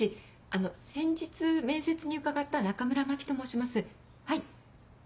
あの先日面接に伺った中村真希と申しますはい。